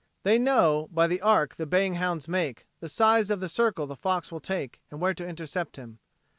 They know by the arc the baying hounds make the size of the circle the fox will take and where to intercept him.